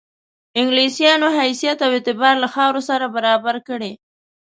انګلیسیانو حیثیت او اعتبار له خاورو سره برابر کړي.